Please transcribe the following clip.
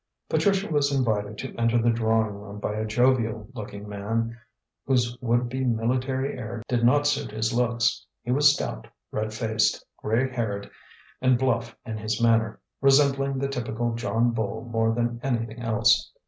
Patricia was invited to enter the drawing room by a jovial looking man, whose would be military air did not suit his looks. He was stout, red faced, grey haired and bluff in his manner, resembling the typical John Bull more than anything else.